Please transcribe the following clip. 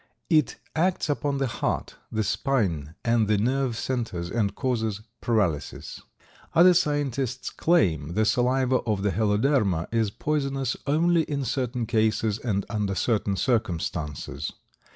It acts upon the heart, the spine and the nerve centers and causes paralysis. Other scientists claim the saliva of the Heloderma is poisonous only in certain cases and under certain circumstances.